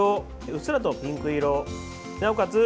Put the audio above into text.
うっすらとピンク色なおかつ